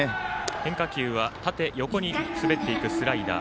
変化球は縦、横に滑っていくスライダー。